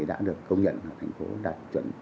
đã được công nhận thành phố đạt chuẩn